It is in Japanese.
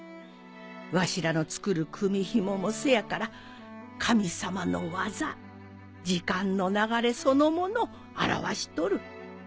わしらの作る組紐もせやから神様の技時間の流れそのものを表しとる。